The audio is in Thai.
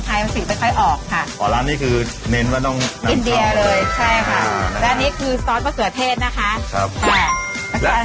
หอมเกลือแกง